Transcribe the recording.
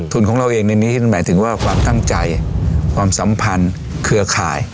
ที่หมายถึงว่าความตั้งใจความสัมพันธ์เครือข่าย